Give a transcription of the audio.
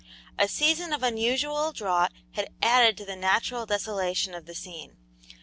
A season of unusual drought had added to the natural desolation of the scene.